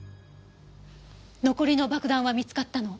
残りの爆弾は見つかったの？